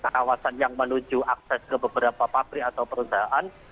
kawasan yang menuju akses ke beberapa pabrik atau perusahaan